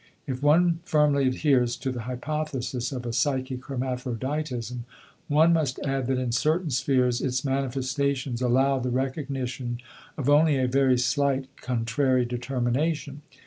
If one firmly adheres to the hypothesis of a psychic hermaphroditism, one must add that in certain spheres its manifestations allow the recognition of only a very slight contrary determination.